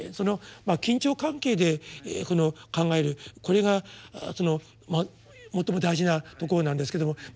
緊張関係で考えるこれが最も大事なところなんですけども。